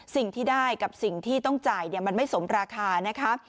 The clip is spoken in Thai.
สิ่งที่ได้กับสิ่งที่ต้องจ่ายมันไม่สมราคานะคะ